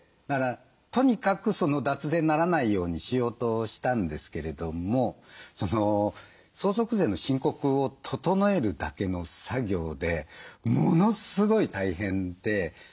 だからとにかく脱税にならないようにしようとしたんですけれども相続税の申告を整えるだけの作業でものすごい大変で。